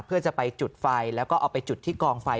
เพื่อจะไปจุดไฟแล้วก็เอาไปจุดที่กองไฟ